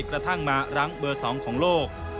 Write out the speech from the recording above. กระทั่งมารั้งเบอร์๒ของโลก